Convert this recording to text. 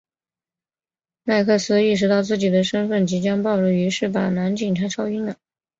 麦克斯意识到自己的身份即将暴露于是把男警察敲晕了。